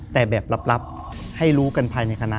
แต่แบบลับให้รู้กันภายในคณะ